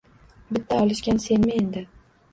Bitta olishgan senmi endi.